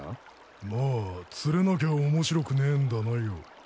まあ釣れなきゃ面白くねえんだなよ。